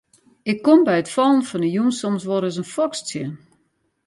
Ik kom by it fallen fan 'e jûn soms wol ris in foks tsjin.